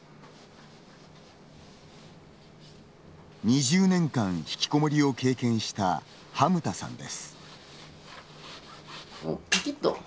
２０年間ひきこもりを経験したはむたさんです。